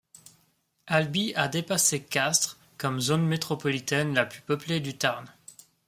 Albi a dépassé Castres comme zone métropolitaine la plus peuplée du Tarn.